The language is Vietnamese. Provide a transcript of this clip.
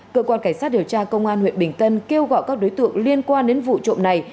cơ quan cảnh sát điều tra công an huyện bình tân kêu gọi các đối tượng liên quan đến vụ trộm này